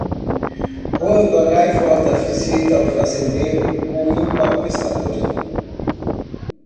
Quando a gaivota visita o fazendeiro, ruim para o pescador.